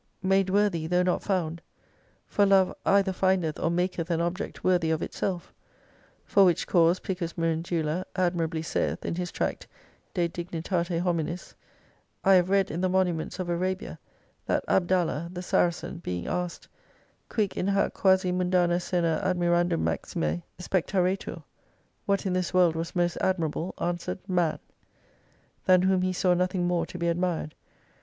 Made worthy, though not found, for Love either findeth or maketh an object worthy of itself. For which cause Picus Mirandula admirably saith, in his tract De Dignitate Hominis, I have read in the monu ments of Arabia, that Abdala, the Saracen, being asked, Quid in hdc quasi mundand Scend admiratidum maxime *94 spedaretiir ? What in this world was tnost admirable ? answered, MAN : Than whom he saw nothing more to be admired.